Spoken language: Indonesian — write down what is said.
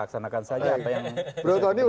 laksanakan saja apa yang